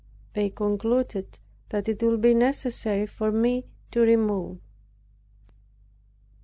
They concluded that it would be necessary for me to remove.